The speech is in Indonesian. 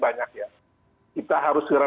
banyak ya kita harus segera